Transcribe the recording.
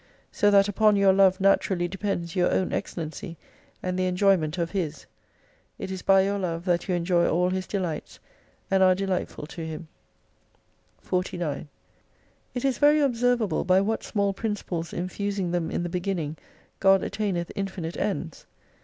So that upon your love naturally depends your own excellency and the enjoyment of His. It is by your love that you enjoy all His delights, and are delightful to Him. 49 It is very observable by what small principles infusing them in the beginning God attaineth infinite ends.